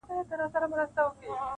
نقادان يې تحليل کوي تل,